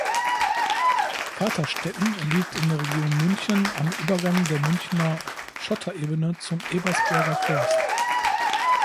Vaterstetten liegt in der Region München am Übergang der Münchner Schotterebene zum Ebersberger Forst.